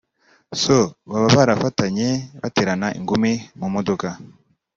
so baba barafatany baterana ingumi mu modoka